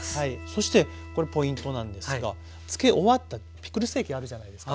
そしてこれポイントなんですが漬け終わったピクルス液あるじゃないですか。